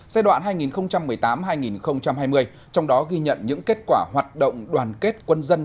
giai đoạn hai nghìn một mươi tám hai nghìn hai mươi trong đó ghi nhận những kết quả hoạt động đoàn kết quân dân